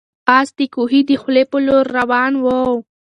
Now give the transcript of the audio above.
آس د کوهي د خولې په لور روان و.